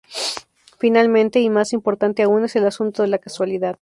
Finalmente, y más importante aún, es el asunto de la causalidad.